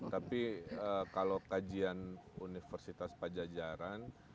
tapi kalau kajian universitas pajajaran